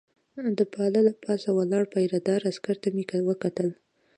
د پله له پاسه ولاړ پیره دار عسکر ته مې وکتل.